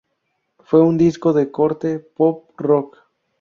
Fue un disco de corte pop rock.